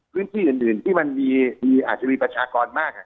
พื้นที่อื่นที่มันอาจจะมีประชากรมาก